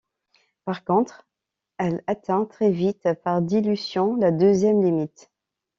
Par contre, elle atteint très vite par dilution la deuxième limite.